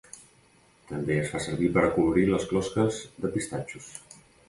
També es fa servir per acolorir les closques de pistatxos.